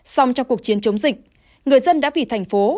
xong trong cuộc chiến chống dịch người dân đã vì thành phố